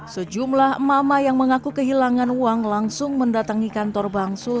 sejumlah emak emak yang mengaku kehilangan uang langsung mendatangi kantor bang sul